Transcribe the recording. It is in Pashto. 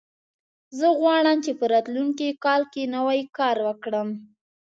زه غواړم چې په راتلونکي کال کې نوی کار وکړم